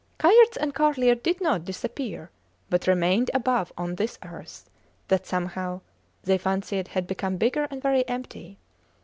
Kayerts and Carlier did not disappear, but remained above on this earth, that, somehow, they fancied had become bigger and very empty.